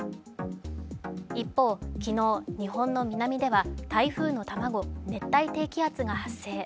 一方、昨日日本の南では台風の卵熱帯低気圧が発生。